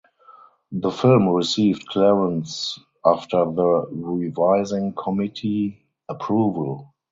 The film received clearance after the revising committee approval.